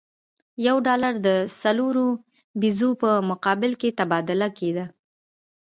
یو ډالر د څلورو پیزو په مقابل کې تبادله کېده.